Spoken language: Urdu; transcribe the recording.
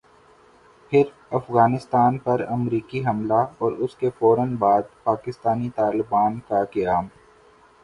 پھر افغانستان پر امریکی حملہ اور اسکے فورا بعد پاکستانی طالبان کا قیام ۔